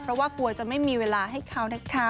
เพราะว่ากลัวจะไม่มีเวลาให้เขานะคะ